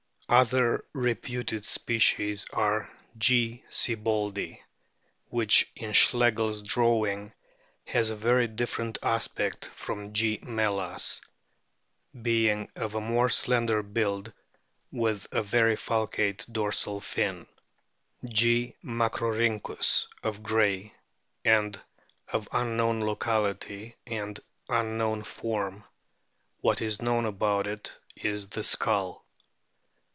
Other reputed species are G. sieboldi, which in Schlegel's drawing has a very different aspect from G. me/as, being of a more slender build with a very falcate dorsal fin ; G. macrorhynckus, of Gray, and of unknown locality and unknown form ; what is known about it is the skull.